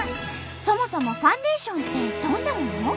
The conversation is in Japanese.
そもそもファンデーションってどんなもの？